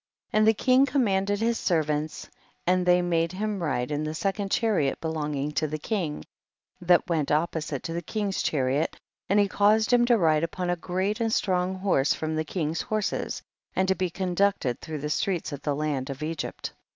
24. And the king commanded his servants, and they made him ride in the second chariot belonging to the king, that went opposite to the king's chariot, and he caused him to ride upon a great and strong horse from the king's horses, and to be conduct ed through the streets of the land of Egypt.